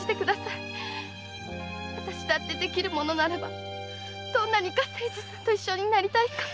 〔私だってできるならどんなにか清次さんと一緒になりたいか〕